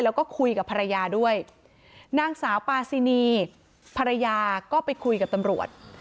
แล้วก็คุยกับภรรยาด้วยนางสาวปาซินีภรรยาก็ไปคุยกับตำรวจ